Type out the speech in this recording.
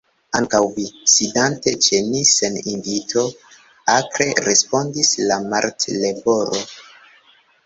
"Ankaŭ vi, sidante ĉe ni sen invito," akre respondis la Martleporo.